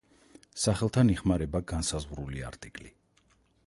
სახელთან იხმარება განსაზღვრული არტიკლი.